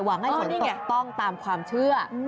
หวังให้ผลตกต้องตามความเชื่อ